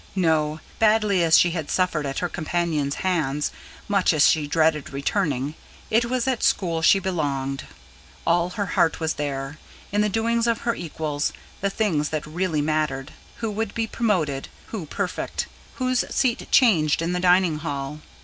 No: badly as she had suffered at her companions' hands, much as she dreaded returning, it was at school she belonged. All her heart was there: in the doings of her equals, the things that really mattered who would be promoted, who prefect, whose seat changed in the dining hall.